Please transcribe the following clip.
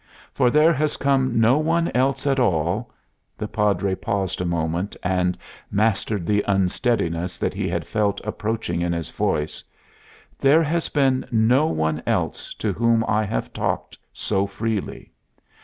For there has come no one else at all" the Padre paused a moment and mastered the unsteadiness that he had felt approaching in his voice "there has been no one else to whom I have talked so freely.